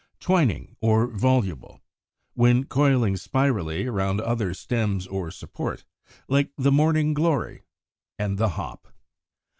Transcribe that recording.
Twining or Voluble, when coiling spirally around other stems or supports; like the Morning Glory (Fig. 90) and the Hop.